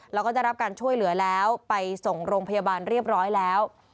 แล้วก็ได้รับการช่วยเหลือแล้วไปส่งโรงพยาบาลเรียบร้อยแล้ว